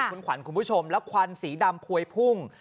คุณขวัญคุณผู้ชมแล้วควันสีดำพวยพุ่ง